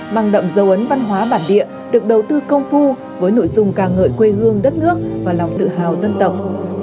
mang đậm dấu ấn văn hóa bản địa được đầu tư công phu với nội dung ca ngợi quê hương đất nước và lòng tự hào dân tộc